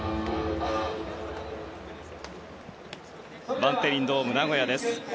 バンテリンドームナゴヤです。